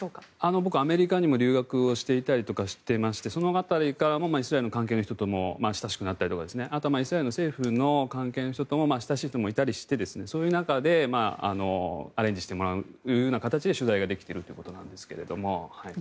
僕、アメリカにも留学していましてその辺りからイスラエルの関係の人と親しくなったりとかあとはイスラエルの政府に親しい人もいたりしてそういう中でアレンジしてもらう形で取材ができているということですが。